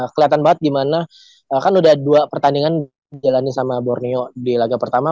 kelihatan banget gimana kan udah dua pertandingan jalanin sama borneo di laga pertama